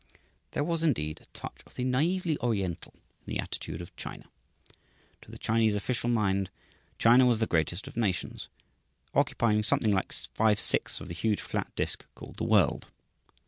There was, indeed, a touch of the naively Oriental in the attitude of China. To the Chinese official mind, China was the greatest of nations, occupying something like five sixths of the huge flat disc called the world.